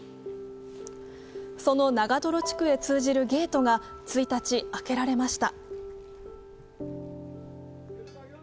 その長泥地区へ通じるゲートが１日、開けられました。